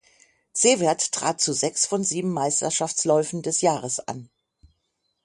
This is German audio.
Cevert trat zu sechs von sieben Meisterschaftsläufen des Jahres an.